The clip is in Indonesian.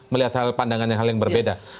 melihat hal hal pandangan yang berbeda